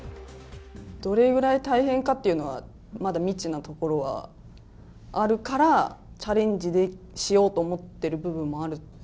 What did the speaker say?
どれぐらい大変かっていうのは、まだ未知なところはあるから、チャレンジしようと思ってる部分もある。